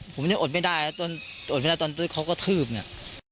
ผมยังอดไม่ได้ต้นอดไปแล้วตอนเขาก็ทืบเนี้ย